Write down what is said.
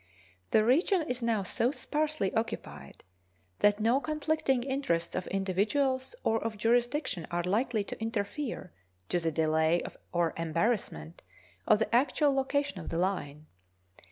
The region is now so sparsely occupied that no conflicting interests of individuals or of jurisdiction are likely to interfere to the delay or embarrassment of the actual location of the line.